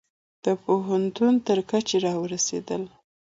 د پوهنتون تر کچې را ورسیدل